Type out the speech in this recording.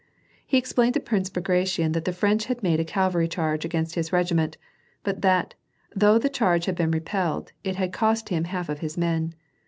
He explained to Prince Bagration that the French had made a cavalry charge against his regi ment; hut that, though the charge had been repelled, it had cost him half of his men.